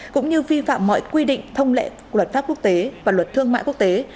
cũng như vi phạm mọi quy định thông lệ luật pháp quốc tế và luật thương mại quốc tế